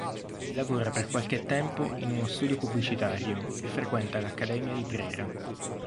Lavora per qualche tempo in uno studio pubblicitario e frequenta l'Accademia di Brera.